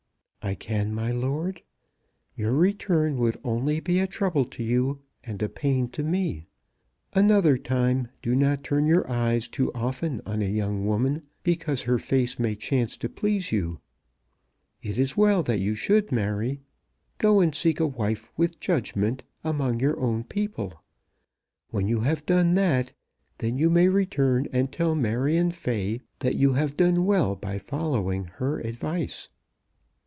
"I can, my lord. Your return would only be a trouble to you, and a pain to me. Another time do not turn your eyes too often on a young woman because her face may chance to please you. It is well that you should marry. Go and seek a wife, with judgment, among your own people. When you have done that, then you may return and tell Marion Fay that you have done well by following her advice."